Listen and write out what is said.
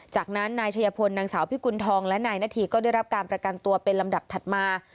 จากนั้นนายชัยพลนางสาวพิกุณฑองและนายนาธีก็ได้รับการประกันตัวเป็นลำดับถัดมา